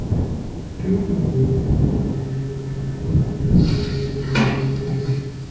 Behind the shield are two crossed fasces.